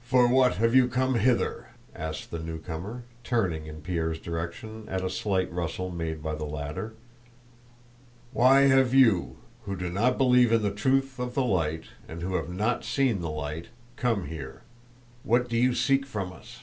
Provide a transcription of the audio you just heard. "For what have you come hither?" asked the newcomer, turning in Pierre's direction at a slight rustle made by the latter. "Why have you, who do not believe in the truth of the light and who have not seen the light, come here? What do you seek from us?